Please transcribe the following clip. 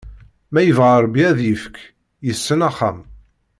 Ma ibɣa Ṛebbi ad d-ifk, yessen axxam.